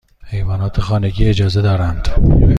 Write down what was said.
حیوانات خانگی اجازه دارند؟